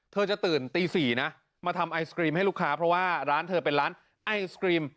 เธอจะตื่นตี๔นะมาทำไอศกรีมให้ลูกค้าเพราะว่าร้านเธอเป็นร้านไอศกรีม